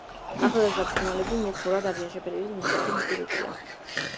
ახალგაზრდა ფრინველები მუქ მურად არიან შეფერილი, ნისკარტი მუქი რუხია.